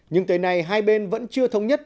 nhưng tới nay hai bên vẫn chưa thống nhất